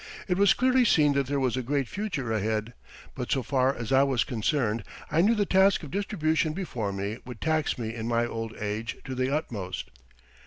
It was clearly seen that there was a great future ahead; but so far as I was concerned I knew the task of distribution before me would tax me in my old age to the utmost.